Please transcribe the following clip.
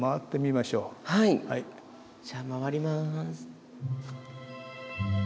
じゃあ回ります。